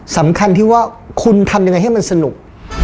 สำคัญที่ว่าคุณทำยังไงให้มันสนุก